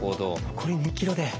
残り２ｋｍで。